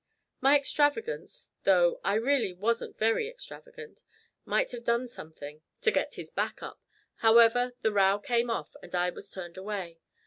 My extravagance though I really wasn't very extravagant might have done something to get his back up. However, the row came off, and I was turned away.